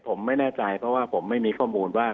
ผมไม่แน่ใจเพราะว่าผมไม่มีข้อมูลว่า